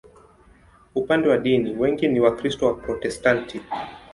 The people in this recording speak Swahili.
Upande wa dini, wengi ni Wakristo Waprotestanti.